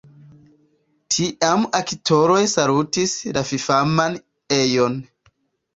Tiam aktoroj salutis la fifaman ejon.